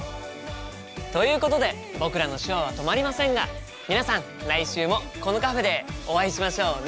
ということで僕らの手話は止まりませんが皆さん来週もこのカフェでお会いしましょうね。